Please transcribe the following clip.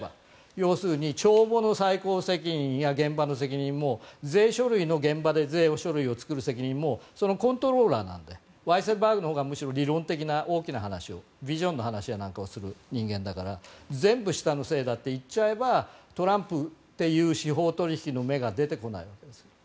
要するに帳簿の最高責任や現場の責任も現場で税書類を作る責任もコントローラーなのでワイセルバーグのほうが大きなビジョンの話をする人間だから全部下のせいだって言っちゃえばトランプっていう司法取引の芽が出てこないです。